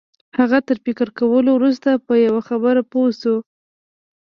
هغه تر فکر کولو وروسته په یوه خبره پوه شو